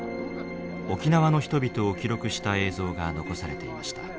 沖縄の人々を記録した映像が残されていました。